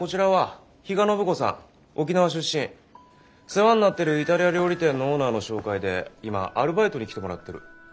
世話になってるイタリア料理店のオーナーの紹介で今アルバイトに来てもらってる。